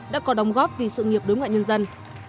đồng góp vì sự nghiệp đối ngoại nhân dân